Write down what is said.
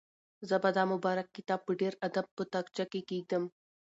زه به دا مبارک کتاب په ډېر ادب په تاقچه کې کېږدم.